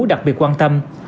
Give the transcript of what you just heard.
đặc biệt quan tâm